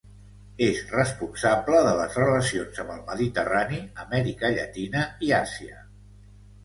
És responsable de les relacions amb el Mediterrani, Amèrica Llatina i Àsia.